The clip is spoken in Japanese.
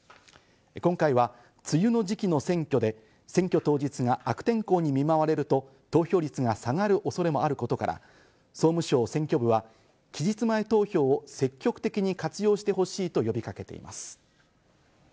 今回は梅雨の時期の選挙で選挙当日が悪天候に見舞われると投票率が下がる恐れもあることから、総務省選挙部は期日前投票を積極的に活用してほしいと呼びかけています。